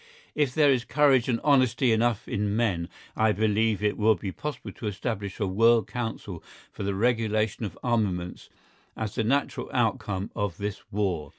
If there is courage and honesty enough in men, I believe it will be possible to establish a world council for the regulation of armaments as the natural outcome of this war.